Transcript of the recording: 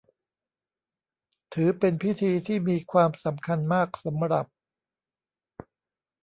ถือเป็นพิธีที่มีความสำคัญมากสำหรับ